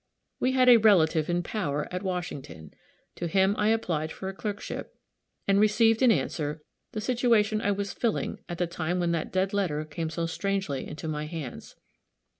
We had a relative in power at Washington. To him I applied for a clerkship, and received, in answer, the situation I was filling, at the time when that dead letter came so strangely into my hands.